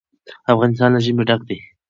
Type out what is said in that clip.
افغانستان له ژمی ډک دی.